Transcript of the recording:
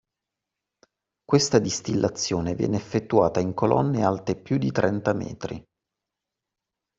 Questa distillazione viene effettuata in colonne alte più di trenta metri